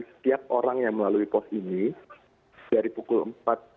setiap orang yang melalui pos ini dari pukul empat sore tadi ada satu ratus tiga pendaki